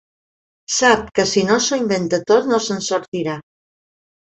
Sap que si no s'ho inventa tot no se'n sortirà.